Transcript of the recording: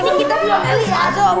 ini kita buru buru ustazah